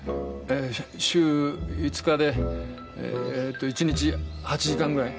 週５日で１日８時間ぐらい。